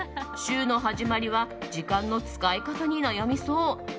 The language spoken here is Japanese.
週の始まりは時間の使い方に悩みそう。